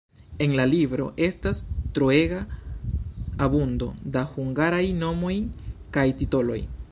En la libro estas troega abundo da hungaraj nomoj kaj titoloj.